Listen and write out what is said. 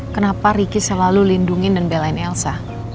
kenapa ricky selalu lindungi dan belain elsa